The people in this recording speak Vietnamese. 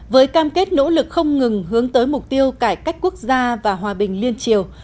với cam kết nỗ lực không ngừng hướng tới mục tiêu cải cách quốc gia và hòa bình liên triều